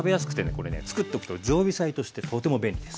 これねつくっておくと常備菜としてとても便利です。